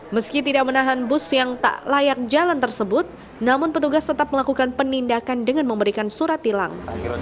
meski tidak menahan bus yang tak layak jalan tersebut namun petugas tetap melakukan penindakan dengan memberikan surat tilang